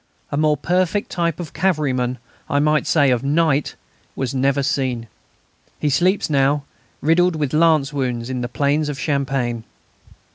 A more perfect type of cavalryman I might say, of knight was never seen. He sleeps now, riddled with lance wounds, in the plains of Champagne.